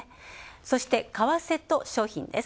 そして為替と商品です。